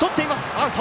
アウト！